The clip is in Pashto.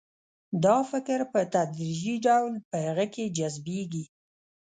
دا فکر په تدریجي ډول په هغه کې جذبیږي